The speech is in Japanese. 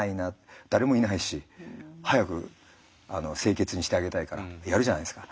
誰もいないし早く清潔にしてあげたいからやるじゃないですか。